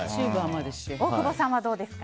大久保さんはどうですか？